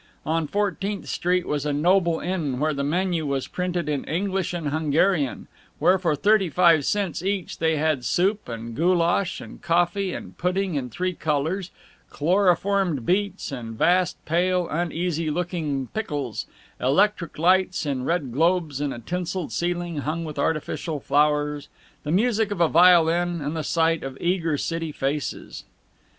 On Fourteenth Street was a noble inn where the menu was printed in English and Hungarian, where for thirty five cents each they had soup and goulash and coffee and pudding in three colors, chloroformed beets and vast, pale, uneasy looking pickles, electric lights in red globes and a tinseled ceiling hung with artificial flowers, the music of a violin and the sight of eager city faces.